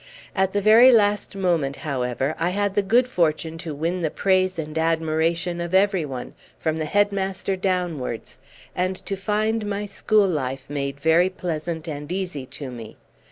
At the very last moment, however, I had the good fortune to win the praise and admiration of every one, from the headmaster downwards, and to find my school life made very pleasant and easy to me.